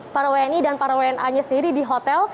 para wni dan para wna nya sendiri di hotel